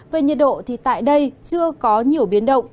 về nhiệt độ thì tại đây chưa có nhiều biến động